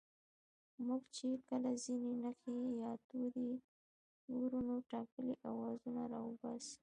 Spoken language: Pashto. موږ چې کله ځينې نښې يا توري گورو نو ټاکلي آوازونه راوباسو